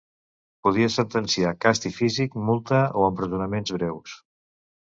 Podia sentenciar càstig físic, multa o empresonaments breus.